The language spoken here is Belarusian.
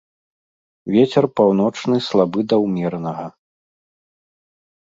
Вецер паўночны слабы да ўмеранага.